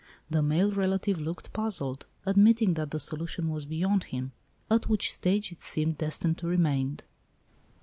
The male relative looked puzzled, admitting that the solution was beyond him; at which stage it seemed destined to remain.